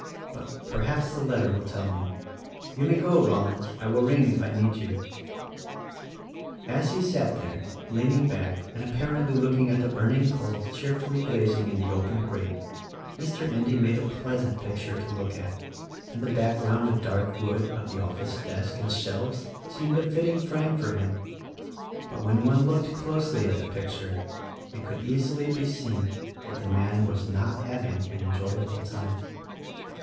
But perhaps the letter will tell me. You may go, Rollins, I will ring if I need you." As he sat there — leaning back and apparently looking at the burning coals cheerfully blazing in the open grate, — Mr. Endy made a pleasant picture to look at, and the background of dark wood of the office desk and shelves seemed a fitting frame for him; but when one looked closely at the picture it could easily be seen that the man was not having an enjoyable time.